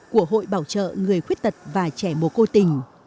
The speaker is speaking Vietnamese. của hội bảo trợ người khuyết tật và trẻ mồ côi tỉnh